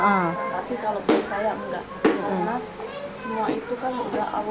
tapi kalau buat saya nggak karena semua itu kan udah allah yang atur